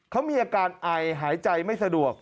เขามีอาการไอหายใจไม่สะดวก